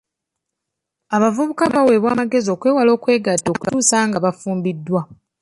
Abavubuka baweebwa amagezi okwewala okwegatta okutuusa nga bafumbiddwa.